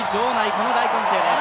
この大歓声です。